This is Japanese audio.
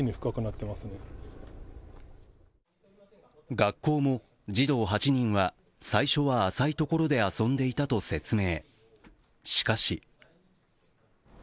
学校も児童８人は最初は浅いところで遊んでいたと説明。